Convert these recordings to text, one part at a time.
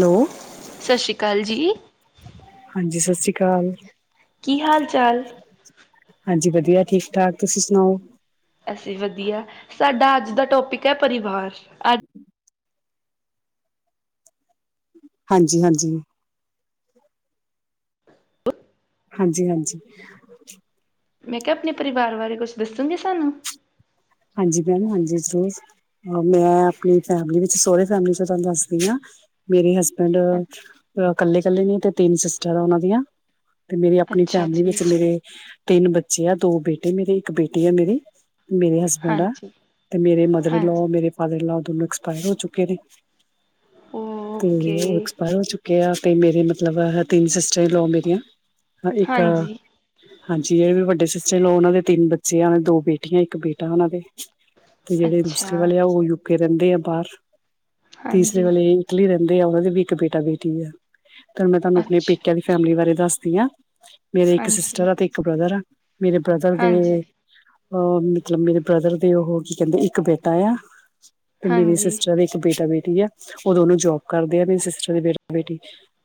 Hello. ਸਤਿ ਸ਼੍ਰੀ ਅਕਾਲ ਜੀ। ਹਾਂਜੀ ਸਸਰੀ ਕਾਲ। ਕੀ ਹਾਲ -ਚਾਲ। ਹਾਂਜੀ ਵਧੀਆਂ ਠੀਕ ਠਾਕ, ਤੁਸੀਂ ਸੁਣਾਓ‌। ਅਸੀਂ ਵਧੀਆਂ, ਸਾਡਾ ਅੱਜ ਦਾ ਟੋਪਿਕ ਐ ਪਰਿਵਾਰ ਅੱਜ਼। ਹਾਂਜੀ- ਹਾਂਜੀ। ਹਾਂਜੀ- ਹਾਂਜੀ। [inaudible] ਮੈਂ ਕਿਹਾ ਆਪਣੇਂ ਪਰਿਵਾਰ ਬਾਰੇ ਕੁੱਛ ਦੱਸੋਂਗੇ ਸਾਂਨੂੰ। ਹਾਂਜੀ ਭੈਣ ਹਾਂਜੀ ਜ਼ਰੂਰ। ਮੈਂ ਆਪਣੀਂ ਫੈਮਿਲੀ ਵਿੱਚ ਸੋਹਰੇ ਫੈਮਿਲੀ 'ਚ ਤੁਹਾਂਨੂੰ ਦੱਸਦੀ ਆਂ, ਮੇਰੇ ਹਸਬੈਂਡ। ਅੱਛਾ ਬੇਂਡ ਕੱਲੇ- ਕੱਲੇ ਨੇ ਤੇ ਤਿੰਨ ਸਿਸਟਰ ਆ ਓਨਾਂ ਦੀਆਂ। ਤੇ ਮੇਰੀ ਆਪਣੀ ਅੱਛਾ ਫੈਮਿਲੀ ਜੀ ਵਿੱਚ ਮੇਰੇ। ਤਿੰਨ ਬੱਚੇ ਆ ਦੋ ਬੇਟੇ ਮੇਰੇ ਇੱਕ ਬੇਟੀ ਆ ਮੇਰੀ, ਮੇਰੇ ਹਸ। ਬੇਂਡ ਆ, ਹਾਂਜੀ ਤੇ ਮੇਰੇ ਮਦਰ ਇਨ ਲਾ, ਹਾਂਜੀ ਮੇਰੇ ਫਾਦਰ ਇਨ ਲਾ ਦੋਨੋਂ ਐਕਸਪਾਇਰ ਹੋ ਚੁੱਕੇ ਨੇ। ਤੇ ਓਕੇ ਉਹ ਏਕਸਪਾਇਰ ਹੋ ਚੁੱਕੇ। ਆ ਤੇ ਮੇਰੀ ਮੱਤਲਬ ਤਿੰਨ ਸਿਸਟਰ ਇਨ ਲਾ ਮੇਰੀਆਂ, ਇੱਕ। ਹਾਂਜੀ ਹਾਂਜੀ ਜਿਹੜੇ ਮੇਰੇ ਵੱਡੇ ਸਿਸਟਰ ਓਨਾਂ ਦੇ ਤਿੰਨ ਬੱਚੇ ਹਨ, ਦੋ ਬੇਟੀਆਂ ਇੱਕ ਬੇਟਾ ਓਨਾਂ ਦੇ। ਤੇ ਜਿਹੜੇ ਅੱਛਾ ਦੂਸਰੇ ਵਾਲੇ ਆ ਓ ਯੂਕੇ ਰਹਿੰਦੇ ਆ ਬਾਰ, ਤੀਸਰੇ ਹਾਂਜੀ ਵਾਲ਼ੇ। ਇਟਲੀ ਰੈਂਦੇ ਆ, ਓਨਾਂ ਦੀ ਵੀ ਇੱਕ ਬੇਟਾ ਬੇਟੀ ਆ, ਤਾ ਹੁਣ ਮੈਂ ਤਾਹਨੂੰ ਆਪਣੇਂ ਅੱਛਾ ਪੇਕਿਆਂ ਦੀ ਫੈਮਿਲੀ ਬਾਰੇ ਦੱਸਦੀ ਆਂ। ਮੇਰੇ ਇੱਕ ਹਾਂਜੀ ਸਿਸਟਰ ਆ ਤੇ ਇੱਕ ਬ੍ਰਦਰ ਆ, ਮੇਰੇ ਬ੍ਰਦਰ ਦੇ ਹਾਂਜੀ ਅਹ। ਮੇਰੇ ਬ੍ਰਦਰ ਦੇ ਉਹ ਕੀ ਕਹਿੰਦੇ ਇੱਕ ਬੇਟਾ ਆ, ਤੇ ਮੇਰੀ ਹਾਂਜੀ ਸਿਸਟਰ ਦੇ। ਬੇਟਾ ਬੇਟੀ ਆ, ਉਹ ਦੋਨੋਂ ਜੋਬ ਕਰਦੇ ਆ ਮੇਰੀ ਸਿਸਟਰ ਦੀ ਬੇਟਾ ਬੇਟੀ।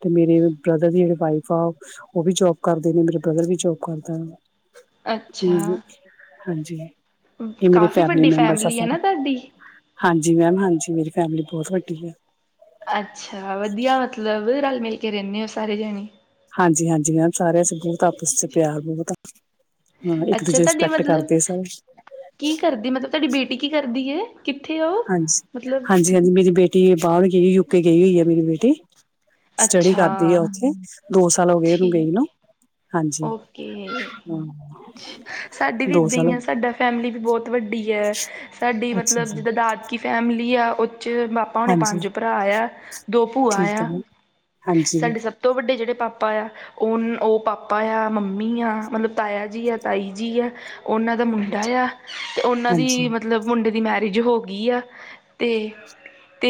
ਤੇ ਮੇਰੇ ਬ੍ਰਦਰ ਦੀ ਜਿਹੜੇ ਵਾਈਫ ਆ ਉਹ ਵੀ ਜੋਬ ਕਰਦੇ ਨੇਂ, ਮੇਰੇ ਬ੍ਰਦਰ ਵੀ ਜੋਬ ਕਰਦਾਂ। ਊਹੂੰ ਅੱਛਾ ਹਾਂਜੀ। ਏ ਮੇਰੇ ਕਾਫ਼ੀ ਫੈਮਿਲੀ ਵੱਡੀ ਮੈਂਬਰਸ ਆ ਹੈ ਨਾ ਸਾਰੇ, ਤੁਹਾਡੀ ਹਾਂਜੀ ਮੈਮ ਹਾਂਜੀ ਮੇਰੀ ਫੈਮਿਲੀ ਬਹੁਤ ਵੱਡੀ ਆ। ਅੱਛਾ ਵਧੀਆਂ ਮੱਤਲਬ ਰਲ ਮਿਲ਼ ਕੇ ਰਹਿਣੇ ਓ ਸਾਰੇ ਜਾਣੇਂ। ਹਾਂਜੀ -ਹਾਂਜੀ ਮੈਮ ਸਾਰਿਆਂ 'ਚ ਬਹੁਤ ਆਪਸ 'ਚ ਪਿਆਰ ਬਹੁਤ‌ ਆ। ਹੂੰ ਇੱਕ ਦੂਜੇ ਅੱਛਾ ਦੀ ਤੁਹਾਡੀ ਰਿਸਪੈਕਟ ਮਤਲਬ ਕਰਦੇ ਕੀ ਸਾਰੇ। ਕਰਦੀ ਮਤਲਬ ਤੁਹਾਡੀ ਬੇਟੀ ਕੀ ਕਰਦੀ ਏ। ਕਿੱਥੇ ਆ ਓ। ਹਾਂਜੀ, ਹਾਂਜੀ, ਹਾਂਜੀ ਮੇਰੀ ਬੇਟ ਟੀ ਬਾਹਰ ਗਈ ਹੋਈ ਯੂਕੇ ਗਈ ਹੋਈ ਆ ਮੇਰੀ ਬੇਟੀ ਸਟੱਡੀ ਅੱਛਾ ਕਰਦੀ ਆ ਓਥੇ ਦੋ ਸਾਲ ਹੋ ਗਏ ਉਹਨੂੰ ਗਈ ਠੀਕ ਨੂੰ ਹਾਂਜੀ ਓਕੇ ਹਾਂ ਸਾਡੀ ਵੀ ਦੋ ਇੱਦਾਂ ਹੀ ਸਾਲ ਆ ਸਾਡਾ ਫੈਮਿਲੀ ਵੀ ਬਹੁਤ ਵੱਡੀ ਐ ਸਾਡੀ ਗਏ। ਅੱਛਾ ਮਤਲਬ ਜੀ ਜਿੱਦਾਂ ਦਾਦਕੀ ਫੈਮਿਲੀ ਆ ਉ ਚ ਪਾ ਪਾਪਾ ਹੁਣੇ ਹਾਂਜੀ ਪੰਜ ਭਰਾ ਆ ਦੋ ਭੂਆ ਠੀਕ ਹੈ ਆ ਮੈਮ ਹਾਂਜੀ ਸਾਡੇ ਹਾਂਜੀ ਸਭ ਸਭ ਤੋਂ ਵੱਡੇ ਜੇਹੜੇ ਪਾਪਾ ਆ ਓ ਓ ਪਾਪਾ ਏ ਆ ਮੰਮੀ ਆ ਮਤਲਬ ਤਾਇਆ ਜੀ ਆ ਤਾਈ ਜੀ ਆ ਉਹਨਾਂ ਦਾ ਮੁੰਡਾ ਏ ਆ ਅਤੇ ਉਹਨਾਂ ਹਾਂਜੀ ਦੀ ਮਤਲਬ ਮੁੰਡੇ ਦੀ ਮੈਰਿਜ ਹੋ ਗਈ ਆ ਤੇ ਤੇ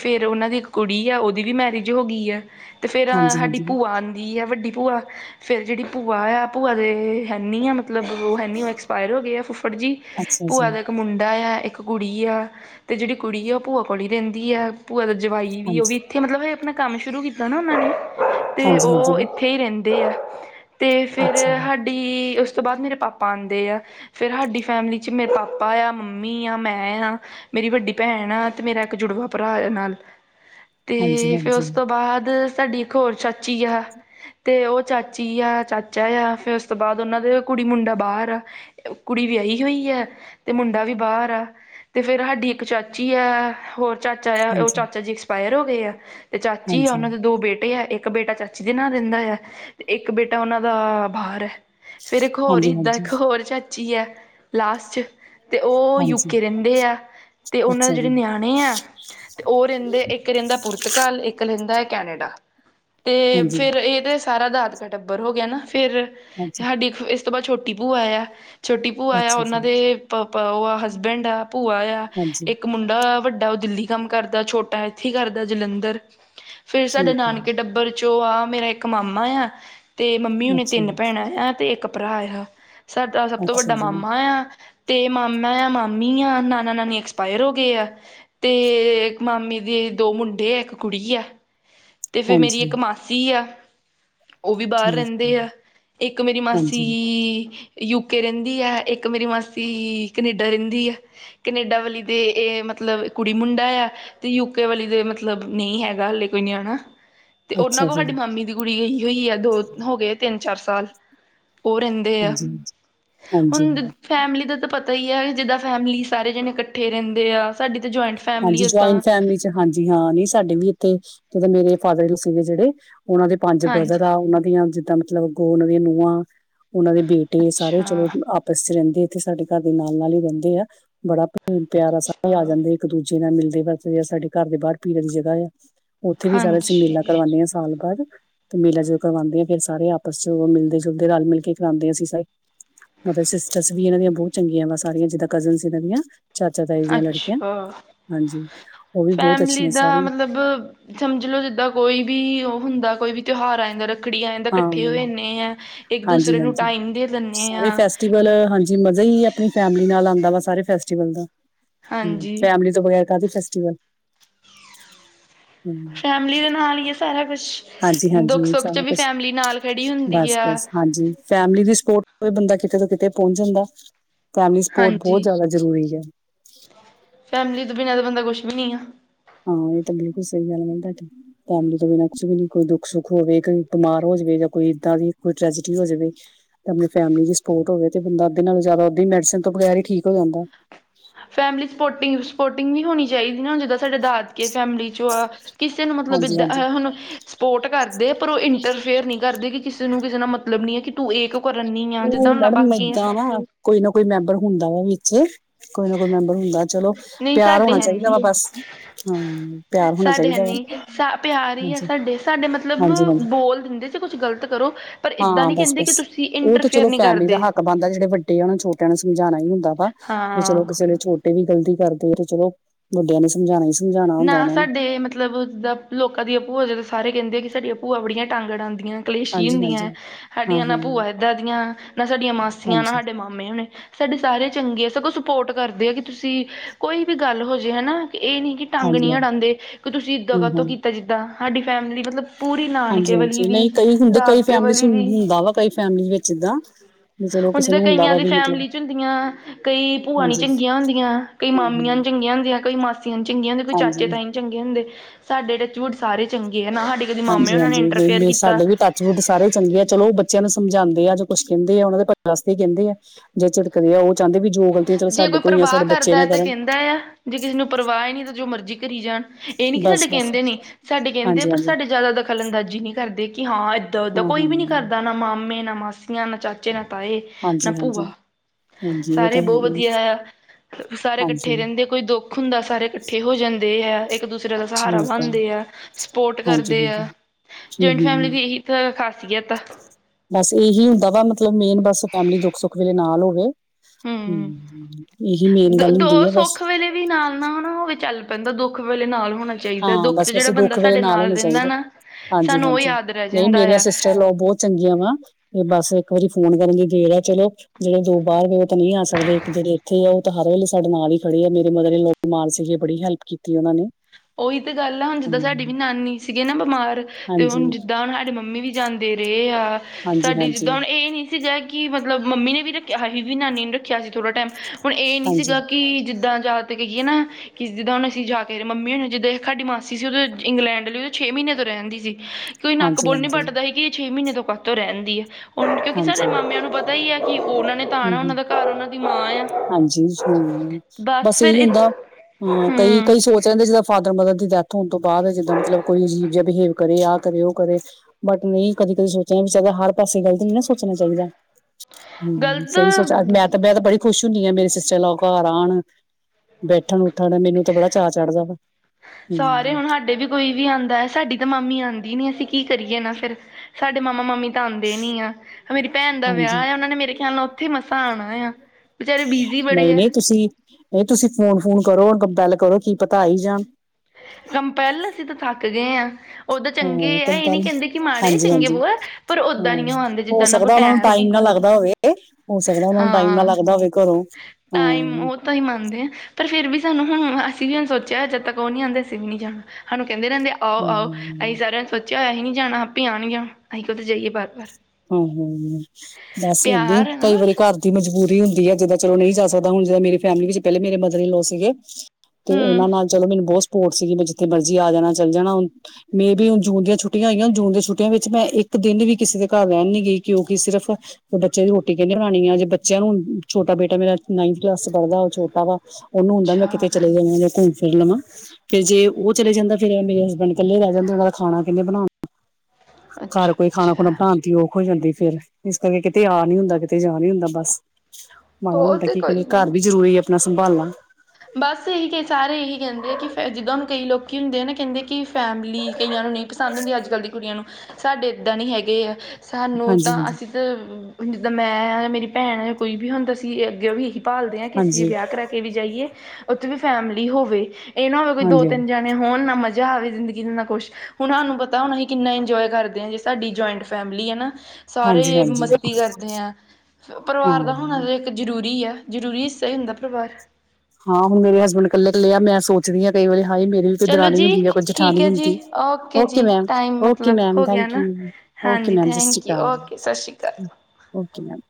ਫਿਰ ਉਹਨਾਂ ਦੀ ਇੱਕ ਕੁੜੀ ਆ ਉਹਦੀ ਵੀ ਮੈਰਿਜ ਹੋ ਗਈ ਆ ਤੇ ਫਿਰ ਆਡੀ ਹਾਂਜੀ ਮੈਮ। ਭੂਆ ਆਂਦੀ ਆ ਵੱਡੀ ਭੂਆ ਫਿਰ ਜਿਹੜੀ ਭੂਆ ਆ ਭੂਆ ਦੇ ਹੈਨੀ ਆ ਮਤਲਬ ਉਹ ਹੈਨੀ ਉਹ ਐਕਸਪਾਇਰ ਹੋ ਗਏ ਆ ਫੁੱਫੜ ਜੀ ਅੱਛਾ ਜੀ ਭੂਆ ਦਾ ਇੱਕ ਮੁੰਡਾ ਆ ਇੱਕ ਇੱਕ ਕੁੜੀ ਆ ਤੇ ਜਿਹੜੀ ਕੁੜੀ ਆ ਉਹ ਭੂਆ ਕੋਲ ਹੀ ਰਹਿੰਦੀ ਆ ਭੂਆ ਦਾ ਜਵਾਈ ਵੀ ਉਹ ਵੀ ਹਾਂਜੀ ਇੱਥੇ ਮਤਲਬ ਇਹ ਆਪਣਾ ਕੰਮ ਸ਼ੁਰੂ ਕੀਤਾ ਨਾ ਉਹਨਾਂ ਨੇ ਤੇ ਹਾਂਜੀ ਹਾਂਜੀ ਉਹ ਮੈਮ। ਇੱਥੇ ਹੀ ਰਹਿੰਦੇ ਆ ਤੇ ਫਿਰ ਅੱਛਾ ਜੀ ਸਾਡੀ ਉਸ ਤੋਂ ਬਾਅਦ ਮੇਰੇ ਪਾਪਾ ਆਂਦੇ ਆ ਫਿਰ ਹਾਡੀ ਫੈਮਿਲੀ ਚ ਮੇਰੇ ਪਾਪਾ ਆ ਮੰਮੀ ਆ ਮੈਂ ਆ ਮੇਰੀ ਵੱਡੀ ਭੈਣ ਆ ਤੇ ਮੇਰਾ ਇੱਕ ਜੁੜਵਾ ਭਰਾ ਆ ਨਾਲ ਤੇ ਹਾਂਜੀ ਫਿਰ ਹਾਂਜੀ ਉਸ ਤੋਂ ਬਾਅਦ ਸਾਡੀ ਇੱਕ ਹੋਰ ਚਾਚੀ ਆ ਤੇ ਉਹ ਚਾਚ ਚੀ ਆ ਚਾਚਾ ਆ ਫਿਰ ਉਸ ਤੋਂ ਬਾਅਦ ਉਹਨਾਂ ਦੇ ਕੁੜੀ ਮੁੰਡਾ ਬਾਹਰ ਆ ਕੁੜੀ ਵਿਆਹੀ ਹੋਈ ਆ ਤੇ ਮੁੰਡਾ ਵੀ ਬਾਹਰ ਆ ਤੇ ਫਿਰ ਹਾਡੀ ਇੱਕ ਚਾਚੀ ਆ ਹੋਰ ਚਾਚਾ ਆ ਉਹ ਹਾਂਜੀ ਚਾਚਾ ਜੀ ਐਕਸਪਾਇਰ ਹੋ ਗਏ ਆ ਤੇ ਚਾਚੀ ਆ ਹਾਂਜੀ ਉਹਨਾ ਦੇ ਦੋ ਬੇਟੇ ਆ ਇੱਕ ਬੇਟਾ ਚਾ ਚਾਚੀ ਦੇ ਨਾਲ ਰਹਿੰਦਾ ਆ ਤੇ ਇੱਕ ਬੇਟਾ ਉਹਨਾ ਦਾ ਬਾਹਰ ਐ ਫਿਰ ਇੱਕ ਹੋਰ ਹਾਂਜੀ ਇਦਾਂ ਹਾਂਜੀ ਇੱਕ ਹੋਰ ਚਾਚੀ ਆ ਲਾਸਟ ਤੇ ਉਹ ਹਾਂਜੀ, ਯੂਕੇ ਰਹਿੰਦੇ ਆ ਤੇ ਉਹਨਾਂ ਦੇ ਅੱਛਾ ਜੀ, ਜਿਹੜੇ ਨਿਆਣੇ ਆ ਤੇ ਉਹ ਰਹਿੰਦੇ ਇੱਕ ਰਹਿੰਦਾ ਪੁਰਤ ਪੁਰਤਕਾਲ ਇੱਕ ਰਹਿੰਦਾ ਏ ਕੈਨੇਡਾ ਤੇ ਹਾਂਜੀ, ਫਿਰ ਇਹ ਤੇ ਸਾਰਾ ਦਾਦ ਹਾ ਟੱਬਰ ਹੋ ਗਿਆ ਨਾ ਫਿਰ ਹਾਂਜੀ, ਸਾਡੀ ਇਸ ਤੋਂ ਬਾਅਦ ਛੋਟੀ ਭੂਆ ਏ ਆ ਛੋਟੀ ਭੂਆ ਏ ਆ ਅੱਛਾ ਜੀ, ਉਹਨਾਂ ਦੇ ਪ ਪ ਉਹ ਆ ਹਸਬੈਂਡ ਆ ਭੂਆ ਏ ਆ ਹਾਂਜੀ, ਇੱਕ ਇੱਕ ਮੁੰਡਾ ਵੱਡਾ ਉਹ ਦਿੱਲੀ ਕੰਮ ਕਰਦਾ ਛੋਟਾ ਇੱਥੇ ਕਰਦਾ ਜਲੰਧਰ ਫਿਰ ਸਾਡੇ ਠੀਕ ਨਾਨਕੇ ਹੈ, ਟੱਬਰ ਚੋਂ ਆ ਮੇਰਾ ਇੱਕ ਮਾਮਾ ਏ ਆ ਤੇ ਮੰਮੀ ਹੁਣੇ ਅੱਛਾ ਤਿੰਨ ਜੀ, ਭੈਣਾਂ ਆ ਤੇ ਇੱਕ ਭਰਾ ਆ ਸਾਡਾ ਸਭ ਤੋਂ ਅੱਛਾ ਵੱਡਾ ਜੀ, ਮਾਮਾ ਏ ਆ ਤੇ ਮਾਮਾ ਆ ਮਾਮੀ ਆ ਨਾਨਾ, ਨਾਨੀ ਐਕਸਪਾਇਰ ਹੋ ਗਏ ਆ ਤੇ ਮਾਮੇ ਦੇ ਦੋ ਮੁੰਡੇ ਆ ਇੱਕ ਕੁੜੀ ਆ ਤੇ ਫਿਰ ਮੇਰੀ ਹਾਂਜੀ, ਇੱਕ ਮਾਸੀ ਆ ਉਹ ਵੀ ਬਾਹਰ ਠੀਕ ਹੈ, ਰਹਿੰਦੇ ਆ ਇੱਕ ਮੇਰੀ ਮਾਸੀ ਹਾਂਜੀ, ਯੂਕੇ ਰਹਿੰਦੀ ਆ ਇੱਕ ਮੇਰੀ ਮਾਸੀ ਕਨੇਡਾ ਰਹਿੰਦੀ ਆ ਕਨੇਡਾ ਵਾਲੀ ਦੇ ਇਹ ਮਤਲਬ ਕੁੜੀ ਮੁੰਡਾ ਆ ਤੇ ਯੂਕੇ ਵਾਲੀ ਦੇ ਮਤਲਬ ਨਹੀਂ ਹੈਗਾ ਹਾਲੇ ਕੋਈ ਨਿਆਣਾ ਤੇ ਉਹਨਾਂ ਅੱਛਾ ਕੋਲ ਜੀ, ਸਾਡੀ ਮਾਮੀ ਦੀ ਕੁੜੀ ਗਈ ਹੋਈ ਆ ਦੋ ਹੋ ਗਏ ਤਿੰਨ ਚਾਰ ਸਾਲ ਉਹ ਰਹਿੰਦੀ ਦੇ ਆ ਹਾਂਜੀ, ਹਾਂਜੀ, ਹੁਣ ਫੈਮਿਲੀ ਦਾ ਤਾਂ ਪਤਾ ਹੀ ਆ ਜਿੱਦਾਂ ਫੈਮਿਲੀ ਸਾਰੇ ਜਣੇ ਇਕੱਠੇ ਰਹਿੰਦੇ ਆ ਸਾਡੀ ਤਾਂ ਜੁਆਇੰਟ ਹਾਂਜੀ ਫੈਮਿਲੀ ਉਦਾਂ ਜੁਆਇੰਟ ਫੈਮਿਲੀ ਚ ਹਾਂਜੀ ਹਾਂ ਨੀ ਸਾਡੇ ਵੀ ਇੱਥੇ ਜਦ ਮੇਰੇ ਫਾਦਰ ਸੀਗੇ ਜਿਹੜੇ ਉਹਨਾਂ ਦੇ ਪੰਜ ਬ੍ਰਦਰ ਹਾਂਜੀ ਆ, ਉਹਨਾਂ ਦੀਆਂ, ਜਿੱਦਾਂ ਮਤਲੱਬ ਅਗੋ, ਉਹਨਾਂ ਦੀਆਂ ਨੂੰਹਾਂ ਉਹਨਾਂ, ਦੇ ਬੇਟੇ ਸਾਰੇ, ਚਲੋ ਅੱਛਾ ਆਪਸ ਚ ਰਹਿੰਦੇ, ਇ ਤੇ ਸਾਡੇ ਘਰ ਦੇ ਨਾਲ- ਨਾਲ ਹੀ ਰਹਿੰਦੇ ਆ, ਬੜਾ ਪਿਆਰਾ ਸਾਰੇ ਆ ਅੱਛਾ ਜਾਂਦੇ, ਇੱਕ ਦੂਜੇ ਨਾਲ ਮਿਲਦੇ ਬਸ ਜ, ਸਾਡੇ ਘਰ ਦੇ ਬਾਹਰ ਪੀਰ ਦੀ ਜਗ੍ਹਾ ਆ। ਉੱਥੇ ਵੀ ਸਾਰਾ, ਅਸੀਂ ਮੇਲਾ ਹਾਂਜੀ ਕਰਵਾਉਂਦੇ ਹਾਂ, ਸਾਲ ਬਾਅਦ ਤੇ, ਮੇਲਾ ਜੋ ਕਰਵਾਉਂਦੇ ਆ, ਫਿਰ ਸਾਰੇ ਆਪਸ ਚ ਉਹ ਮਿਲਦੇ ਜੁਲਦੇ, ਰਲ ਮਿਲ ਕੇ ਕਰਾਉਂਦੇ ਆਂ ਅਸੀ ਸਾਰੇ ਮਤਲਬ, ਸਿਸਟਰਸ ਵੀ ਇਹਨਾਂ ਦੀਆਂ ਬਹੁਤ ਚੰਗੀਆਂ ਵਾ, ਸਾਰੀਆਂ ਜਿੱਦਾਂ ਕਜ਼ਨ ਇਹਨਾਂ ਦੀਆਂ, ਚਾਚਾ ਤਾਈ ਦੀਆਂ ਲੜਕੀਆਂ ਅੱਛਾ ਹਾਂਜੀ, ਉਹ ਵੀ ਬਹੁਤ ਅੱਛੀਆਂ ਸਾਰੀਆਂ। ਤੇ, ਬ। [unintelligible] ਸਮਝ ਲਓ, ਜਿੱਦਾਂ ਕੋਈ ਵੀ ਉਹ ਹੁੰਦਾ, ਕੋਈ ਵੀ ਤਿਉਹਾਰ ਆ ਜਾਂਦਾ। ਰਖੜੀ ਆਂ, ਜਾਂਦੀ ਹਾਂ ਇਕੱਠੇ ਹੋ ਜਾਂਦੇ ਆ, ਇੱਕ ਹਾਂਜੀ ਦੂਸਰੇ ਨੂੰ ਹਾਂਜੀ ਟਾਈਮ ਦੇ ਦਿੰਦੇ ਸਾਰੇ ਹਾਂ। ਹਾਂਜੀ। ਫੈਸਟੀਵਲ [unintelligible] ਜੀ ਮਜ਼ਾ ਹੀ, ਆਪਣੀ ਫੈਮਲੀ ਨਾਲ ਆਉਂਦਾ ਵਾ ਸਾਰੇ ਫੈਸਟੀਵਲ ਦਾ। ਹੁੰ, ਹਾਂਜੀ ਫੈਮਲੀ ਤੋਂ ਬਗੈਰ ਕਾਹਦੀ ਫੈਸਟੀਵਲ ਹੁੰ। ਫੈਮਿਲੀ ਦੇ, ਨਾਲ ਹੀ ਹੈ, ਸਾਰਾ ਕੁਛ। ਹਾਂਜੀ ਦੁੱਖ -ਹਾਂਜੀ, ਸੁੱਖ ਚ ਸਾਰਾ ਵੀ ਕੁਛ ਫੈਮਿਲੀ ਨਾਲ ਖੜੀ ਹੁੰਦੀ ਬਸ- ਆ ਬਸ ਹਾਂਜੀ। ਫੈਮਿਲੀ ਦੀ ਸਪੋਰਟ ਬੰਦਾ, ਕਿਤੇ ਤੋਂ ਕਿਤੇ ਪਹੁੰਚ ਜਾਂਦਾ, ਫੈਮਿਲੀ ਸਪੋਰਟ ਬਹੁਤ ਹਾਂਜੀ ਜ਼ਿਆਦਾ ਜ਼ਰੂਰੀ ਹੈ। ਫੈਮਲੀ ਦੇ, ਬਿਨਾਂ ਤਾਂ ਬੰਦਾ ਕੁਛ ਵੀ ਨਹੀਂ ਹੈ। ਹਾਂ, ਇਹ ਤਾਂ ਬਿਲਕੁਲ ਸਹੀ ਗੱਲ ਕਹਿੰਦਾ ਕੀ। ਫੈਮਲੀ ਤੋਂ ਬਿਨਾਂ ਕੁਛ ਵੀ ਨ ਕੋਈ ਦੁੱਖ ਸੁੱਖ ਹੋਵੇ, ਕਈ ਬਿਮਾਰ ਹੋ ਜਾਵੇ, ਜਾਂ ਕੋਈ ਇੱਦਾਂ ਦੀ ਕੋਈ ਟ੍ਰੈਜ ਹੋ ਜਾਵੇ। ਤੇ ਆਪਣੀ, ਫੈਮਿਲੀ ਦੀ ਸਪੋਰਟ ਹੋਵੇ, ਤੇ ਬੰਦਾ ਅਦੇ ਨਾਲ ਜ਼ਿਆਦਾ, ਉ ਮੈਡੀਸਨ ਤੋਂ ਬਗੈਰ ਹੀ ਠੀਕ ਹੋ ਜਾਂਦਾ। ਫੈਮਿਲੀ ਸਪੋਰਟੀਵ ਸਪੋਰਟਿੰਗ ਵੀ ਹੋਣੀ ਚਾਹੀਦੀ ਨਾ ਜੇ। ਸਾਡੇ ਦਾਦਕੇ ਫੈਮਿਲੀ ਚ, ਆ ਕਿਸੇ ਨੂੰ ਮਤਲਬ ਹਾਂਜੀ ਹਾਂਜੀ ਇੱਦਾਂ ਹੁਣ। ਸਪੋਰਟ ਕਰਦੇ, ਪਰ ਉਹ ਇੰਟਰਫੇਅਰ ਨਹੀਂ ਕਰਦੇ, ਕਿ ਕਿਸੇ ਨੂੰ ਕਿਸੇ ਦਾ ਮਤਲਬ ਨਹੀਂ ਹੈ, ਕਿ ਤੂੰ ਇੱਕ ਰਨੀ ਆ, ਉਹ ਜਿੱਦਾਂ ਹੁੰਦਾ ਮੈਡਮ ਬਾਕੀ ਏਦਾਂ ਨਾ ਕੋਈ, ਨਾ ਕੋਈ, ਮੈਂਬਰ ਹੁੰਦਾ ਵਿਚੇ, ਇਥੇ ਕੋਈ ਨਾ ਕੋਈ ਮੈਂਬਰ ਹੁੰਦਾ। ਚਲੋ ਨਹੀਂ, ਪਿਆਰ ਸਾਡੇ ਹੋਣਾ ਚਾਹੀਦਾ ਹੈਨੀ। ਵਾ ਬਸ ਹਾਂ ਪਿਆਰ ਹੋਣਾ ਸਾਡੇ ਚਾਹੀਦਾ ਵਾ ਹੈਨੀ ਸਾ, ਪਿਆਰ ਹੀ ਹੈ, ਹਾਂਜੀ ਸਾਡੇ ਸਾਡੇ ਮਤਲਬ ਹਾਂਜੀ ਹਾਂਜੀ ਬੋਲ ਦਿੰਦੇ। ਕੁਛ ਗ਼ਲਤ ਕਰੋ, ਪਰ ਇੱਦਾਂ ਹਾਂ ਨੀ ਕਹਿੰਦੇ, ਕਿ ਤੁਸੀਂ ਇੰਟਰਫੇਅਰ ਨਹੀਂ ਕਰਦੇ। ਬੰਦਾ ਜਿਹੜੇ ਵੱਡੇ ਆ, ਉਹਨ ਛੋਟਿਆਂ ਨੂੰ, ਸਮਝਾਉਣਾ ਹੀ ਹੁੰਦਾ ਵਾ ਤੇ, ਚਲੋ ਹਾਂ ਕਿਸੇ ਵੇਲੇ ਛੋ। ਵੀ ਗਲਤੀ ਕਰਦੇ ਤੇ, ਚਲੋ ਵੱਡਿਆਂ ਨੇ ਸਮਝਾਉਣੇ ਸੀ। ਨਾ, ਸਾਡੇ ਮਤਲਬ, ਜਿੱਦਾਂ ਲੋਕਾਂ, ਦੀਆਂ ਭੂਆ ਜਦੋਂ ਸਾਰੇ ਕਹਿੰਦੇ ਆ, ਕਿ ਸਾਡੀਆਂ ਭੂਆ ਬੜੀਆਂ ਟੰਗ ਅੜਾਂਦੀਆਂ। ਕਲੇਸ਼ੀ ਹਾਂਜੀ ਹੁੰਦੀਆਂ ਹਾਂਜੀ ਹੈ, ਹਾਂ ਸਾਡੀਆਂ ਨਾ ਹਾਂ ਭੂਆ ਏਦਾਂ, ਦੀਆਂ ਨਾ ਸਾਡੀਆਂ ਮਾਸੀਆਂ, ਨਾ ਹਾਂਜੀ ਸਾਡੇ ਮਾਮੇ ਹੋਣੇ। ਸਾਡੇ ਸਾਰੇ ਚੰਗੇ ਆ, ਸਗੋਂ ਸਪੋਰਟ ਕਰਦੇ ਆ, ਕਿ ਤੁਸੀਂ ਕੋਈ ਵੀ ਗੱਲ ਹੋ ਜਾਵੇ, ਹੈਨਾ, ਕਿ ਇਹ ਨਹੀਂ ਕਿ। ਟੰਗ ਹਾਂਜੀ ਨਹੀਂ ਹਾਂ ਹਟਾਉਂਦੇ, ਕਿ ਤੁਸੀਂ ਇੱਦਾਂ ਹਾਂ ਕਤੋਂ ਕੀਤਾ, ਜਿੱਦਾਂ ਸਾਡੀ ਫੈਮਿਲੀ ਮਤਲਬ। ਪੂਰੀ ਹਾਂਜੀ ਨਾਨਕੇ ਵਾਲੀ ਹਾਂਜੀ ਵੀ, ਨਹੀਂ ਕਈ ਹੁੰਦੇ ਕਈ ਦਾਗਕੇ ਫੈਮਿਲੀ ਵਾਲੀ ਵੀ। ਹੁੰਦਾ ਵਾ ਕਈ ਫੈਮਿਲੀ ਵਿੱਚ ਏਦਾਂ ਵੀ ਚਲੋ ਹੁਣ ਕਿਸੇ ਜਿੱਦਾਂ, ਨੂੰ ਹੁੰਦਾ ਕਈਆਂ ਵਾ ਦੀ ਵੀ ਮਤਲਬ ਫੈਮਲੀ 'ਚ ਹੁੰਦੀਆਂ, ਕਈ ਭੂਆ ਨਹੀਂ ਹਾਂਜੀ ਚੰਗੀਆਂ ਹੁੰਦੀਆਂ। ਕਈ, ਹਾਂ ਹਾਂ ਮਾਮੀਆਂ ਚੰਗੀਆਂ, ਹੁੰਦੀਆਂ, ਕਈ ਮਾਸੀ। ਚੰਗੇ ਹੁੰਦੇ, ਕੋਈ ਚਾਚੇ ਹਾਂਜੀ ਤਾਈ ਚੰਗੇ ਹੁੰਦੇ, ਸਾਡੇ ਤਾਂ ਝੂਠ ਸਾਰੇ ਚੰਗੇ ਹੈ ਨਾ ਸਾਡੇ। ਕਦੀ ਮਾਮੇ ਹਾਂਜੀ ਉਹਨਾਂ ਨੇ -ਹਾਂਜੀ, ਇੰਟਰਫੇਅਰ ਵੀ ਕੀਤਾ ਸਾਡੇ ਵੀ ਟੱਚ। ਉਹ ਤਾਂ ਸਾਰੇ ਚੰਗੇ ਆ, ਚਲੋ ਉਹ ਬੱਚਿਆਂ ਨੂੰ ਸਮਝਾਉਦੇ ਆ, ਜੋ ਕੁਛ ਕਹਿੰਦੇ ਆ, ਉਹਨਾਂ ਦੇ ਵਾਸਤੇ ਹੀ ਕਹਿੰਦੇ ਆ। ਜੇ ਝਿੜਕਦੇ ਆ, ਉਹ ਚਾਹੁੰਦੇ ਵੀ ਜੋਗ। ਜੇ ਕੋਈ ਪ੍ਰਵਾਹ ਕਰਦਾ ਹੈ, ਤਾਂ ਕਹਿੰਦਾ ਆ, ਜੇ ਕਿਸੇ ਨੂੰ ਪਰਵਾਹ ਨਹੀਂ, ਤਾਂ ਜੋ ਮਰਜ਼ੀ ਕਰੀ ਜਾਣ। ਇਹ ਨੀ, ਕਿ ਸਾਡੇ ਬਸ ਬਸ ਕਹਿੰਦੇ ਨੀ। ਸਾਡੇ ਕਹਿੰਦੇ ਆ, ਹਾਂਜੀ ਪਰ ਹਾਂਜੀ ਸਾਡੇ ਜ਼ਿਆਦਾ ਦਖਲ ਅੰਦਾਜ਼ੀ ਨਹੀਂ ਕਰਦੇ, ਕਿ ਹਾਂ ਏਦਾਂ, ਓਦਾਂ ਹਾਂ ਕੋਈ ਹਾਂ ਵੀ ਨੀ ਕਰਦਾ, ਨਾ ਮਾਮੇ ਨਾ ਮਾਸੀ। ਨਾ ਚਾਚੇ, ਨਾ ਤਾਏ ਨਾ, ਹਾਂਜੀ ਹਾਂਜੀ ਭੂਆ ਹਾਂਜੀ ਇਹ ਸਾਰੇ ਤਾਂ ਹੈ ਬਹੁਤ ਵਧੀਆ। ਹੀ ਆ। ਵਧੀਆ, ਸਾਰੇ ਕੱਠੇ ਹਾਂਜੀ ਰਹਿੰਦੇ ਕੋਈ ਦੁੱਖ ਹੁੰਦਾ ਸਾਰੇ ਕੱਠੇ ਹੋ ਜਾਂਦੇ ਹੈ। ਇੱਕ-ਦੂਸਰੇ ਦਾ ਸਹਾਰਾ ਠੀਕ ਹੈ ਬਣਦੇ ਆ, ਸਪੋਰਟ ਹਾਂਜੀ ਕਰਦੇ ਹਾਂਜੀ ਆ। ਜੁਆਇੰਟ ਹਮ ਫੈਮਿਲੀ ਹਮ ਦੀ ਏ ਹੀ ਤਾਂ ਖਾਸੀਅਤ ਆ। ਬਸ ਏ ਹੀ ਹੁੰਦਾ ਵਾ ਮਤਲਬ ਮੇਨ ਬਸ ਫੈਮਿਲੀ ਦੁੱਖ-ਸੁੱਖ ਵੇਲੇ ਨਾਲ ਹੋਵੇ। ਹੂੰ ਏ ਹੀ ਮੇਨ ਗੱਲ ਦੋ ਹੁੰਦੀ ਆ ਬਸ। ਸੁੱਖ ਵੇਲੇ ਵੀ ਨਾਲ ਨਾ ਹੋ ਨਾ ਓ ਵੀ ਚੱਲ ਪੈਂਦਾ ਦੁੱਖ ਵੇਲੇ ਨਾਲ ਹੋਣਾ। ਚਾਹੀਦਾ ਹਾਂ ਦੁੱਖ ਚ ਬਸ-ਬਸ ਜਿਹੜਾ ਬੰਦਾ ਦੁੱਖ ਵੇਲੇ ਸਾਡੇ ਨਾਲ ਹੋਣੇ ਰਹਿੰਦਾ ਚਾਈਦਾ, ਨਾ ਸਾਨੂੰ ਉਹ ਹਾਂਜੀ-ਹਾਂਜੀ ਯਾਦ ਰਹਿ ਨਈ ਜਾਂਦਾ ਮੇਰੀਆਂ ਆ ਸਿਸਟਰ ਲੋ ਬੋ ਚੰਗੀਆਂ ਵਾ ਬਸ ਇੱਕ ਵਾਰੀ ਫੋਨ ਕਰਨ ਦੀ ਦੇਰ ਐ ਚਲੋ ਜਿਹੜੇ ਦੋ ਬਾਰ ਵੇ ਓ ਤਾਂ ਨੀ ਆ ਸਕਦੇ ਇੱਕ ਜਿਹੜੇ ਇੱਥੇ ਆ ਓ ਤਾਂ ਹਰ ਵੇਲੇ ਸਾਡੇ ਨਾਲ ਈ ਖੜੀ ਏ ਮੇਰੇ ਮਦਰ ਇਨ ਲੋ ਨਾਲ ਸੀਗੇ ਬੜੀ ਹੈਲਪ ਕੀਤੀ ਉਨਾਂ ਨੂੰ। ਉਹੀ 'ਤੇ ਗੱਲ ਆ ਹੁਣ ਜਿੱਦਾਂ ਸਾਡੀ ਵੀ ਨਾਨੀ ਸੀਗੇ ਨਾ ਬਿਮਾਰ 'ਤੇ ਹਾਂਜੀ ਹੁਣ ਜਿੱਦਾਂ ਹੁਣ ਹਾਡੇ ਮੰਮੀ ਵੀ ਜਾਂਦੇ ਰੇ ਆ ਹਾਂਜੀ ਸਾਡੀ ਹਾਂਜੀ ਜਿੱਦਾਂ ਹੁਣ ਏ ਨੀ ਐ ਕਿ ਮਤਲਬ ਮੰਮੀ ਨੇ ਵੀ ਰੱਖਿਆ ਹਈ ਵੀ ਨਾਨੀ ਨੂੰ ਰੱਖਿਆ ਸੀ ਥੋੜਾ ਟਾਈਮ। ਹੁਣ ਏ ਹਾਂਜੀ ਨੀ ਸੀਗਾ ਹਾਂਜੀ ਕਿ ਜਿੱਦਾਂ ਜਾ 'ਤੇ ਕਹੀਏ ਨਾ ਕਿ ਜਿੱਦਾਂ ਹੁਣ ਅਸੀਂ ਜਾ ਕੇ ਮੰਮੀ ਜਿੱਦਾਂ ਸਾਡੀ ਮਾਸੀ ਸੀ ਉਦੋਂ ਇੰਗਲੈਂਡ ਲਈ ਉਦੋਂ ਛੇ ਮ੍ਹੀਨੇ ਤੋਂ ਰਹਿੰਦੀ ਸੀ। ਕੋਈ ਨੱਕ ਹਾਂਜੀ ਬੋਲ ਨੀ ਪੱਟਦਾ ਸੀ ਕਿ ਏ ਛੇ ਮ੍ਹੀਨੇ ਤੋਂ ਕਾਤੋ ਰਹਿੰਦੀ ਏ ਹੁਣ ਕਿਉਂਕਿ ਸਾਡੇ ਮਾਮਿਆਂ ਨੂੰ ਪਤਾ ਈ ਐ ਕਿ ਉਨਾਂ ਨੇ ਤਾਂ ਆਣਾ ਹੂੰ-ਹੂੰ, ਉਹਨਾਂ ਦਾ ਘਰ ਉਹਨਾਂ ਦੀ ਮਾਂ ਆ ਹਾਂਜੀ ਸੁ, ਬਸ ਏ ਫਿਰ ਈ ਇਦ ਹੁੰਦਾ ਹਾਂ, ਹੂੰ ਕਈ-ਕਈ ਸੋਚ ਰੇ ਦੇ ਜਿੱਦਾਂ ਫਾਦਰ-ਮਦਰ ਦੀ ਡੈਥ ਹੋਣ ਤੋਂ ਬਾਅਦ ਜਿੱਦਾਂ ਮਤਲਬ ਕੋਈ ਅਜੀਬ ਜਾ ਬਿਹੇਵ ਕਰੇ, ਆ ਕਰੇ, ਓ ਕਰੇ ਬਟ ਨਈ ਕਦੇ-ਕਦੇ ਸੋਚਣਾ ਵਿਚਾਰਾ‌ ਹਰ ਪਾਸੇ ਗ਼ਲਤ ਨੀ ਸੋਚਣਾ ਚਾਈਦਾ। ਹੂੰ ਸਈ ਸੋਚਿਆ ਗ਼ਲਤ ਮੈਂ ਤਾਂ, ਮੈ ਤਾਂ ਬੜੀ ਖੁਸ਼ ਹੁੰਨੀ ਆ, ਮੇਰੇ ਸਿਸਟਰ ਲੋ ਘਰ ਆਣ ਬੈਠਣ-ਉੱਠਣ ਮੈਨੂੰ ਤਾਂ ਬੜਾ ਚਾਅ ਚੜ੍ਹਦਾ ਵਾ। ਸਾਰੇ ਹਮ ਹੁਣ ਹਾਡੇ ਵੀ ਕੋਈ ਵੀ ਆਂਦਾ ਐ‌, ਸਾਡੀ ਤਾਂ ਮਾਮੀ ਆਂਦੀ ਨੀ ਅਸੀਂ ਕੀ ਕਰੀਏ ਨਾ ਫਿਰ ਸਾਡੇ ਮਾਮਾ-ਮਾਮੀ ਤਾਂ ਆਂਦੇ ਨੀ ਆ। ਮੇਰੀ ਭੈਣ ਦਾ ਹਾਂਜੀ ਵਿਆਹ ਆ ਉਨਾਂ ਨੇ ਮੇਰੇ ਖਿਆਲ ਨਾਲ ਉੱਥੇ ਮਸਾਂ ਆਣਾ ਆ। ਵਿਚਾਰੇ ਬਿਜ਼ੀ ਬੜੇ ਆ ਨਈ-ਨਈ ਤੁਸੀਂ, ਤੁਸੀਂ ਫੋਨ ਫੂਨ ਕਰੋ, ਗੱਲ ਕਰੋ, ਕੀ ਪਤਾ ਆ ਈ ਜਾਣ। ਰਮ ਪਹਿਲੇ ਅਸੀਂ 'ਤੇ ਥੱਕ ਗੇ ਆ। ਉਦਾ ਚੰਗੇ ਹਾਂ ਐ, ਏ ਨੀ ਕੰਪੈਲ ਕਹਿੰਦੇ ਕਿ ਮਾੜੇ ਹਾਂਜੀ ਚੰਗੇ ਹਾਂਜੀ ਬੋਰ ਆ ਪਰ ਹਾਂ ਉਦਾ ਨੀ ਓ ਆਂਦੇ ਜਿੱਦਾਂ ਇੰਨਾਂ ਕੋਲ ਟੈਮ ਨੀ ਲੱਗਦਾ। ਏ ਹੋ ਸਕਦਾ ਉਨਾਂ ਨੂੰ ਟਾਈਮ ਨਾ ਹਾਂ ਲੱਗਦਾ ਹੋਵੇ ਘਰੋਂ, ਟਾਈਮ ਹਾਂ। ਉਹ ਤਾਂ ਈ ਮੰਨਦੇ ਆ ਪਰ ਫਿਰ ਵੀ ਸਾਨੂੰ ਹੁਣ ਅਸੀਂ ਵੀ ਹੁਣ ਸੋਚਿਆ ਜਦ ਤੱਕ ਓ ਨੀ ਆਂਦੇ ਅਸੀਂ ਵੀ ਨੀ ਜਾਣਾ। ਹੁਣ ਕਹਿੰਦੇ ਰਹਿੰਦੇ ਆ ਹਾਂ ਆਓ-ਆਓ ਅਸੀ ਸਾਰਿਆ ਨੇ ਸੋਚਿਆ ਹੋਇਆ ਹਈ ਨੀ ਜਾਣਾ ਆਪੇ ਆਣਗੀਆ ਅਸੀਂ ਕਾਤੋ ਜਾਈਏ ਬਾਰ-ਬਾਰ। ਹਾਂਜੀ ਹਾਂ, ਬਸ ਏਦਾਂ ਈ ਹੈ ਨਾ ਕਈ ਵਾਰੀ ਘਰ ਦੀ ਮਜਬੂਰੀ ਹੁੰਦੀ ਏ ਜਿੱਦਾਂ ਚਲੋ ਨਈ ਜਾ ਸਕਦਾ ਹੁਣ ਜ ਮੇਰੀ ਫੈਮਿਲੀ ਵਿੱਚ ਪਹਿਲੇ ਮੇਰੇ ਮਦਰ-ਇਨ-ਲਾ ਸੀਗੇ 'ਤੇ ਉਨਾ ਹੂੰ ਨਾਲ ਚਲੋ ਮੈਨੂੰ ਬੋ ਸਪੋਟ ਸੀਗੀ ਮੈਂ ਜਿੱਥੇ ਮਰਜ਼ੀ ਆ ਜਾਣਾ, ਚੱਲ ਜਾਣਾ। ਮੇ ਬੀ ਹੁਣ ਜੂਨ ਦੀਆਂ ਛੁੱਟੀਆਂ ਹੋਈਆਂ, ਜੂਨ ਦੀਆਂ ਛੁੱਟੀਆਂ ਵਿੱਚ ਮੈਂ ਇੱਕ ਦਿਨ ਵੀ ਕਿਸੇ ਦੇ ਘਰ ਰਹਿਣ ਨੀ ਗਈ ਕਿਉਂਕਿ ਸਿਰਫ 'ਤੇ ਬੱਚੇ ਦੀ ਰੋਟੀ ਕਿੰਨੇ ਬਣਾਣੀ ਆ ਜੇ ਬੱਚਿਆਂ ਨੂੰ ਛੋਟਾ ਬੇਟਾ ਮੇਰਾ ਨਾਈਨਥ ਕਲਾਸ 'ਚ ਪੜ੍ਹਦਾ ਓ ਛੋਟਾ ਵਾ। ਉਨੂੰ ਹੁੰਦਾ ਮੈਂ ਕਿਤੇ ਅੱਛਾ ਚਲੇ ਜਾਈ ਆ ਘੁੰਮ ਫਿਰ ਲਵਾਂ। ਫੇਰ ਜੇ ਓ ਚਲੇ ਜਾਂਦਾ ਫਿਰ ਮੇਰੇ ਹਸਬੈਂਡ ਕੱਲੇ ਰਹਿ ਜਾਂਦੇ ਉਨਾਂ ਦਾ ਖਾਣਾ ਕਿੰਨੇ ਬਣਾ ਘਰ ਅੱਛਾ ਕੋਈ ਖਾਣਾ ਖੁਣਾ ਅੱਛਾ ਬਣਾਨ ਦੀ ਔਖੀ ਹੋ ਜਾਂਦੀ ਫਿਰ ਇਸ ਕਰਕੇ ਕਿਤੇ ਆ ਨੀ ਹੁੰਦਾ, ਕਿਤੇ ਜਾਂ ਨੀ ਹੁੰਦਾ ਬਸ। ਮਾੜਾ ਉਹ ਮੋਟਾ ਤੇ ਕੀ ਕਰੀਏ ਕੋਈ ਨੀ ਘਰ ਹੈ ਵੀ ਜ਼ਰੂਰੀ ਆ ਆਪਣਾ ਸੰਭਾਲਣਾ। ਬਸ ਏਹੀ ਕੇ ਸਾਰੇ ਏ ਹੀ ਕਹਿੰਦੇ ਆ ਕਿ ਫਿਰ ਜਿੱਦਾਂ ਹੁਣ ਕਈ ਲੋਕੀ ਹੁੰਦੇ ਆ ਨਾ ਕਹਿੰਦੇ ਕਿ ਫੈਮਿਲੀ, ਕਈਆਂ ਨੂੰ ਨਹੀਂ ਪਸੰਦ ਹੁੰਦੀ, ਅੱਜ-ਕੱਲ੍ਹ ਦੀ ਕੁੜੀਆਂ ਨੂੰ, ਸਾਡੇ ਇੱਦਾਂ ਨਹੀਂ ਹੈਗੇ ਆ। ਸਾਨੂੰ ਹਾਂਜੀ ਤਾਂ ਹਾਂਜੀ ਅਸੀਂ ਤਾਂ, ਜਿੱਦਾਂ ਮੈਂ ਆ ਮੇਰੀ ਪੈਣ ਕੋਈ ਵੀ ਹੁੰਦਾ ਸੀਂ, ਇਹ ਅੱਗੇ ਵੀ ਇਹੀ ਭਾਲਦੇ ਆ ਕਿ ਅਸੀ ਹਾਂਜੀ ਵਿਆਹ ਕਰਾਕੇ ਵੀ ਜਾਈਏ, ਉੱਥੇ ਵੀ ਫੈਮਿਲੀ ਹੋਵੇ, ਇਹ ਨਾ ਹੋਵੇ ਦੋ ਹਾਂਜੀ ਤਿੰਨ ਜਣ ਤੇ ਹੁਣ ਨਾ ਮਜ਼ਾ ਆਵੇ ਜ਼ਿੰਦਗੀ ਦਾ ਕੁੱਛ, ਹੁਣ ਹਾਨੂੰ ਪਤਾ, ਹੁਣ ਆਹੀ ਕਿੰਨਾ ਇੰਜੋਏ ਕਰਦੇ ਆ, ਜਿਸ ਤੁਹਾਡੀ ਜੁਆਇੰਟ ਫੈਮਿਲੀ ਏ ਨਾ। ਸਾਰੇ ਯੇ ਹਾਂਜੀ-ਹਾਂਜੀ, ਮਸਤੀ ਕਰਦੇ ਆ, ਪਰਿਵਾਰ ਦਾ ਹਾਂ। ਹੋਣਾ ਇਕ ਜ਼ਰੂਰੀ ਐ, ਜ਼ਰੂਰੀ ਹਿੱਸਾ ਈ ਹੁੰਦੈ ਪਰਿਵਾਰ। ਹਾਂ, ਹੁਣ ਮੇਰੇ ਹਸਬੈਂਡ ਕੱਲੇ ਕੱਲੇ ਆ, ਮੈਂ ਸੋਚਦੀ ਆ ਕਈ ਵਾਰੀ, ਹਾਏ ਮੇਰੀ ਕੋਈ ਚਲੋ ਦਰਾਣੀ ਵੀ ਜੀ ਹੁੰਦੀ ਏ, ਕੋਈ ਜਠਾਣੀ ਠੀਕ ਵੀ ਹੈ ਜੀ ਹੁੰਦੀ, ਓਕੇ ਜੀ ਮੈਮ, ਟਾਈਮ ਓਕੇ ਮਤਲਬ ਮੈਮ, ਹੋ ਗਿਆ ਥੈਂਕ ਨਾ ਯੂ। ਓਕੇ ਹਾਂਜੀ ਮੈਮ, ਸਤਿ ਸ਼੍ਰੀ ਥੈਂਕ ਯੂ ਓਕੇ ਸਤਿ ਸ਼੍ਰੀ ਅਕਾਲ, ਓਕੇ ਮੈਮ।